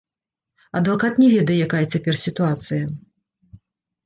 Адвакат не ведае, якая цяпер сітуацыя.